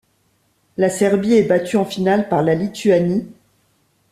La Serbie est battue en finale par la Lituanie.